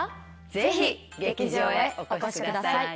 ぜひ劇場へお越しください。